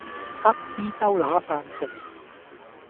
乞兒兜揦飯食